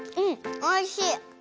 おいしい！